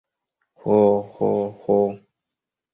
Ho, ho, ho!